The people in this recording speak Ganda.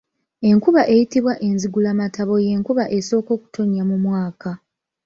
Enkuba eyitibwa enzigulamatabo y'enkuba esooka okutonnya mu mwaka.